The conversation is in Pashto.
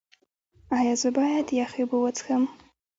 ایا زه باید یخې اوبه وڅښم؟